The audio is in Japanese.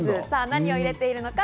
何を入れているのか？